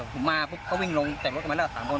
ผมมาปุ๊บเขาวิ่งลงแต่ประมาณละ๓คน